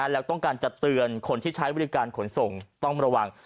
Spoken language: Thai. แล้วต้องการจะเตือนคนที่ใช้บริการขนส่งต้องระวัง